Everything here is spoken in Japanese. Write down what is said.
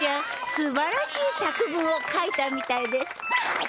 すばらしい作文を書いたみたいですあっ